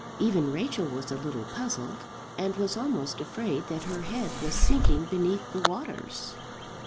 Even Rachel was a little puzzled, and was almost afraid that her head was sinking beneath the waters.